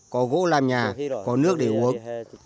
có gỗ làm nhà có nước để uống